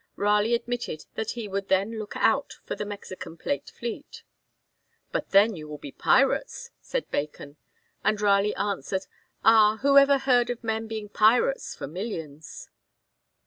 Raleigh admitted that he would then look out for the Mexican plate fleet. 'But then you will be pirates,' said Bacon; and Raleigh answered, 'Ah, who ever heard of men being pirates for millions?'